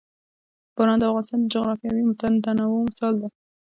باران د افغانستان د جغرافیوي تنوع مثال دی.